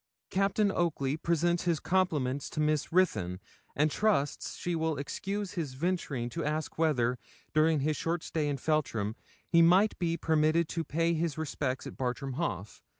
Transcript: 'Captain Oakley presents his compliments to Miss Ruthyn, and trusts she will excuse his venturing to ask whether, during his short stay in Feltram, he might be permitted to pay his respects at Bartram Haugh.